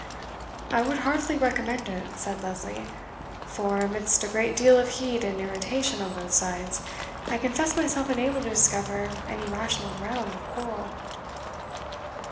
"I would heartily recommend it," said Lesley; "for, amidst a great deal of heat and irritation on both sides, I confess myself unable to discover any rational ground of quarrel."